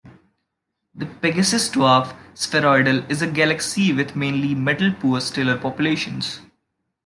The Pegasus Dwarf Spheroidal is a galaxy with mainly metal-poor stellar populations.